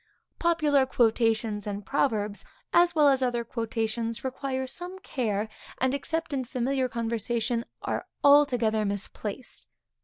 Popular quotations and proverbs, as well as other quotations, require some care; and, except in familiar conversation, are altogether misplaced.